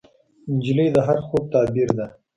نجلۍ د هر خوب تعبیر ده.